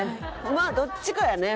まあどっちかやね。